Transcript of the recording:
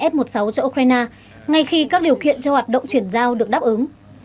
f một mươi sáu cho ukraine ngay khi các điều kiện cho hoạt động chuyển giao được đáp ứng